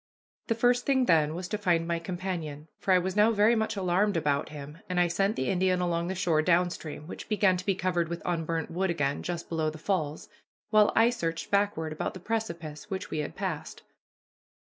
The first thing then was to find my companion, for I was now very much alarmed about him, and I sent the Indian along the shore down stream, which began to be covered with unburnt wood again just below the falls, while I searched backward about the precipice which we had passed.